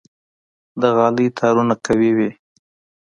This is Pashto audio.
د غالۍ تارونه قوي وي.